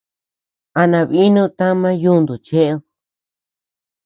¿A nabinu tama yuntu cheʼed?